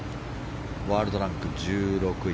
ワールドランク１６位。